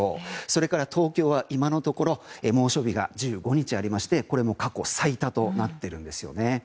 それから東京は今のところ猛暑日が１５日ありましてこれも過去最多となっているんですよね。